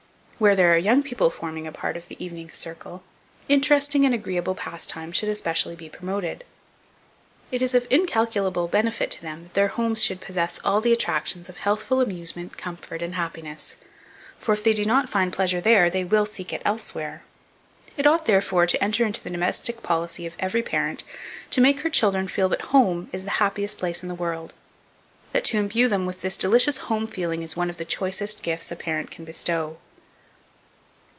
Where there are young people forming a part of the evening circle, interesting and agreeable pastime should especially be promoted. It is of incalculable benefit to them that their homes should possess all the attractions of healthful amusement, comfort, and happiness; for if they do not find pleasure there, they will seek it elsewhere. It ought, therefore, to enter into the domestic policy of every parent, to make her children feel that home is the happiest place in the world; that to imbue them with this delicious home feeling is one of the choicest gifts a parent can bestow.